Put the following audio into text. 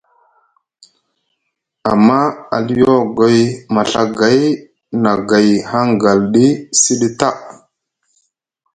Amma aliogoy maɵagay na gay hangalɗi siɗi ta.